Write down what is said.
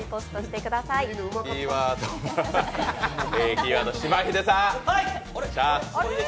キーワードは、しばひでさん。